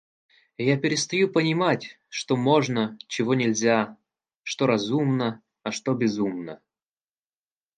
И я перестаю понимать, что можно, чего нельзя, что разумно, а что безумно.